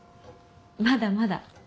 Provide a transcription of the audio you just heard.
まだまだ。